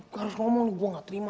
gua harus ngomong gua gak terima